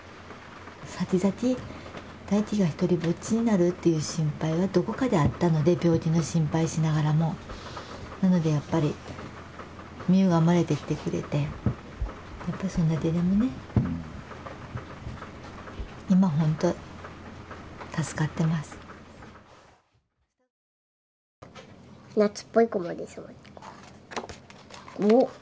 先々大輝が独りぼっちになるっていう心配はどこかであったので病気の心配しながらもなのでやっぱり実優が生まれてきてくれてやっぱそんだけでもねうん今ホント助かってます夏っぽい雲ですよおっ！